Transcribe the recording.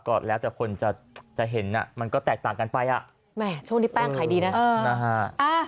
ปรากฏแล้วแต่คนจะเห็นมันก็แตกต่างกันไปโชคที่ป้างขายดีนะ